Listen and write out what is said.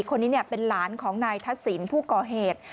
คนนี้เป็นหลานของนายทักษิณผู้ก่อเหตุ